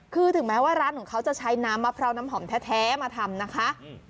คือถึงแม้ว่าร้านของเขาจะใช้น้ำมะพร้าวน้ำหอมแท้มาทำนะคะ